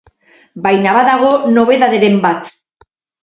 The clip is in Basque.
Baina badago nobedaderen bat.